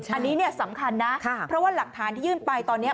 อันนี้สำคัญนะเพราะว่าหลักฐานที่ยื่นไปตอนนี้